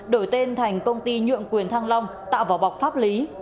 đổi tên thành công ty nhượng quyền thăng long tạo vỏ bọc pháp lý